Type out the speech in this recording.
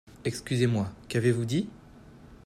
Excusez-moi, qu'avez-vous dit ?